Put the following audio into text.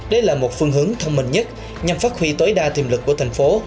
đây là một phương hướng thông minh nhất nhằm phát huy tối đa tiềm lực của thành phố